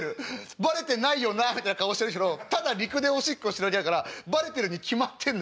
バレてないよなあみたいな顔してるけどただ陸でおしっこしただけだからバレてるに決まってんのよ。